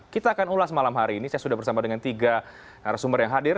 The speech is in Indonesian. kita akan ulas malam hari ini saya sudah bersama dengan tiga narasumber yang hadir